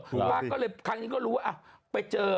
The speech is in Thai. คุณป้าก็เลยครั้งนี้ก็รู้ว่าไปเจอ